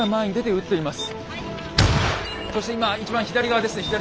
撃っています。